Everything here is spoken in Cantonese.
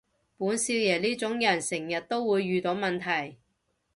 本少爺呢種人成日都會遇到問題